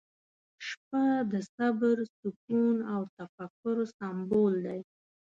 • شپه د صبر، سکون، او تفکر سمبول دی.